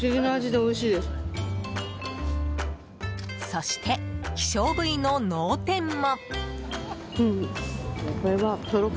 そして、希少部位の脳天も。